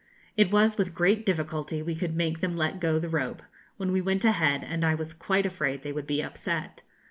It was with great difficulty we could make them let go the rope, when we went ahead, and I was quite afraid they would be upset.